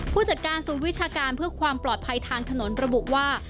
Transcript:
ผู้จัดการศูนย์วิชาการเพื่อความปลอดภัยทางถนนระบุว่า